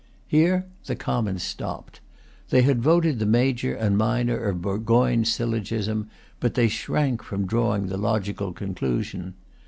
Here the Commons stopped. They had voted the major and minor of Burgoyne's syllogism; but they shrank from drawing the logical conclusion.